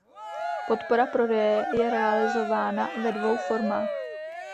Podpora prodeje je realizována ve dvou formách.